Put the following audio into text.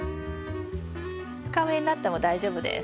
深植えになっても大丈夫です。